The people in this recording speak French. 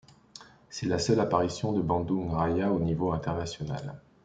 C'est la seule apparition de Bandung Raya au niveau international.